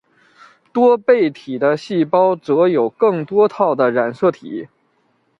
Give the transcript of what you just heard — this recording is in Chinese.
多倍体的细胞则有更多套的染色体。